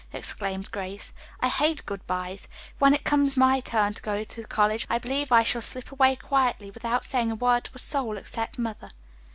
exclaimed Grace. "I hate good byes. When it comes my turn to go to college I believe I shall slip away quietly without saying a word to a soul except mother."